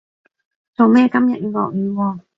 做咩今日要落雨喎